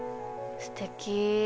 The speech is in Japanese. すてき。